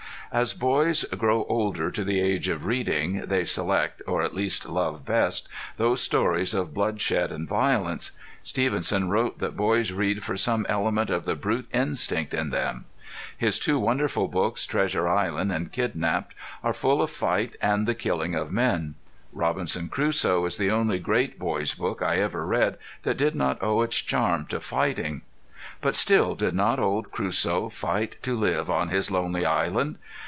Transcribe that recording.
As boys grow older to the age of reading they select, or at least love best, those stories of bloodshed and violence. Stevenson wrote that boys read for some element of the brute instinct in them. His two wonderful books Treasure Island and Kidnapped are full of fight and the killing of men. Robinson Crusoe is the only great boy's book I ever read that did not owe its charm to fighting. But still did not old Crusoe fight to live on his lonely island?